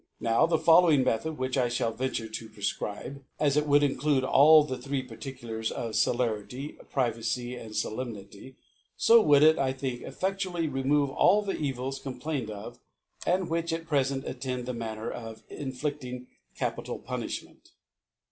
Now the following Method, which I flidl venture to prefcribe, as it would inckidc all • the three Particulars of Celerity, Privacy, and Solemnity, fo would it, I think, cffedtu ally remove all the Evils complained of, and which at prefent attend the manner ctf infliding capi al Punifhment.